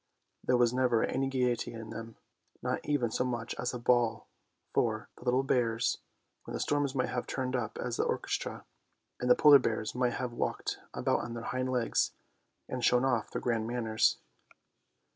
There was never any gaiety in them; not even so much as a ball for the little bears, when the storms might have turned up as the orchestra, and the polar bears might have walked about on their hind legs and shown off their grand manners.